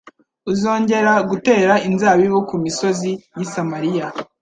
Uzongera gutera inzabibu ku misozi y i Samariya